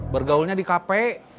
bergaulnya di kafe